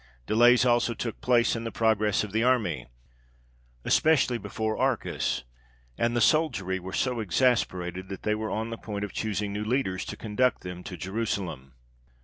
Delays also took place in the progress of the army, especially before Archas, and the soldiery were so exasperated that they were on the point of choosing new leaders to conduct them to Jerusalem.